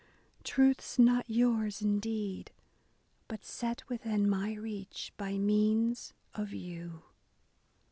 truths not yours indeed. But set within my reach by means of you.